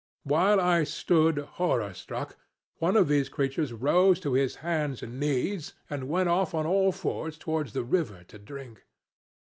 While I stood horror struck, one of these creatures rose to his hands and knees, and went off on all fours towards the river to drink.